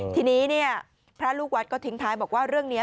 ทีนี้เนี่ยพระลูกวัดก็ทิ้งท้ายบอกว่าเรื่องนี้